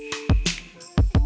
jangan lagi ya pak